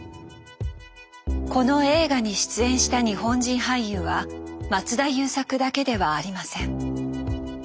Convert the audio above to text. この映画に出演した日本人俳優は松田優作だけではありません。